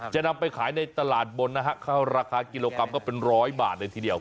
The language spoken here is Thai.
จะนำไปขายในตลาดบนนะฮะเข้าราคากิโลกรัมก็เป็นร้อยบาทเลยทีเดียว